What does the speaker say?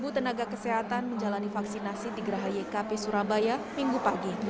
tiga puluh tenaga kesehatan menjalani vaksinasi di geraha ykp surabaya minggu pagi